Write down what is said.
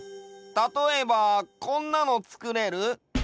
たとえばこんなのつくれる？